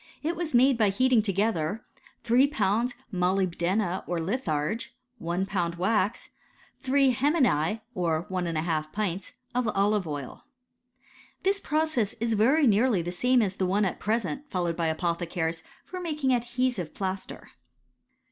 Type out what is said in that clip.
It was made by heating together 3 lbs. molybdena or litharge, 1 lb. wax, J 3 heminse, or 1 J pint, of olive oil. ,* This process is very nearly the same as the one at pre .^ sent followed by apothecaries for making adhesive > plaster.